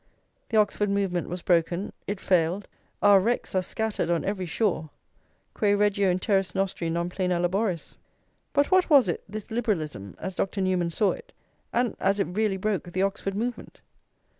The Oxford movement was broken, it failed; our wrecks are scattered on every shore: Quae regio in terris nostri non plena laboris?+ But what was it, this liberalism, as Dr. Newman saw it, and as it really broke the Oxford movement?